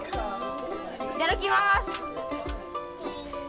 いただきます！